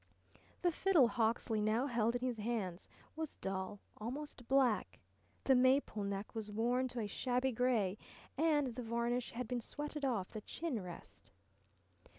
The fiddle Hawksley now held in his hands was dull, almost black. The maple neck was worn to a shabby gray and the varnish had been sweated off the chin rest.